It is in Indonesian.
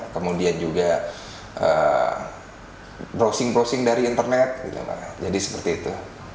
kemudian juga browsing browsing dari internet jadi seperti itu